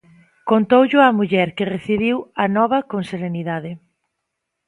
Contoullo á muller, que recibiu a nova con serenidade.